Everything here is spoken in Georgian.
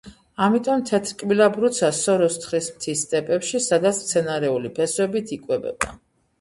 ამიტომ თეთრკბილა ბრუცა სოროს თხრის მთის სტეპებში, სადაც მცენარეული ფესვებით იკვებება.